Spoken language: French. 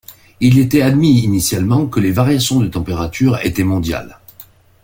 Il était admis initialement que les variations de température étaient mondiales.